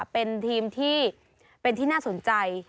เป็นทีมที่น่าสนใจ